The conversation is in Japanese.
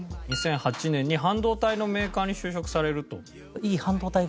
２００８年に半導体のメーカーに就職されると。